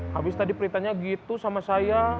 habis tadi beritanya gitu sama saya